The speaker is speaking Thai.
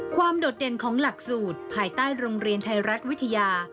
โดดเด่นของหลักสูตรภายใต้โรงเรียนไทยรัฐวิทยา